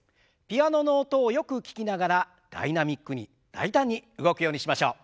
ピアノの音をよく聞きながらダイナミックに大胆に動くようにしましょう。